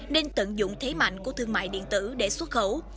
nên tận dụng thế mạnh của thương mại điện tử để xuất khẩu